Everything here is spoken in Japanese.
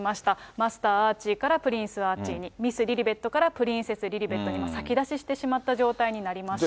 マスター・アーチーからプリンス・アーチーに、ミス・リリベットから、プリンセス・リリベットに、もう先出ししてしまった状態になりました。